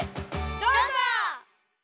どうぞ！